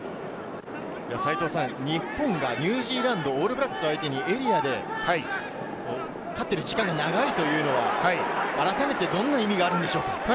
日本がニュージーランド、オールブラックスを相手にエリアで勝っている時間が長いというのはどんな意味があるのでしょうか？